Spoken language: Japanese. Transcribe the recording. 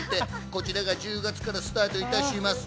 こちらが１０月からスタートいたします。